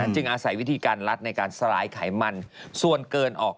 จึงอาศัยวิธีการรัดในการสลายไขมันส่วนเกินออก